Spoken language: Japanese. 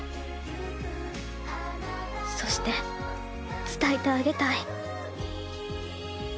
そして伝えてあげたい。